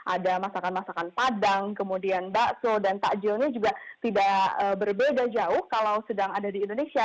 ada masakan masakan padang kemudian bakso dan takjilnya juga tidak berbeda jauh kalau sedang ada di indonesia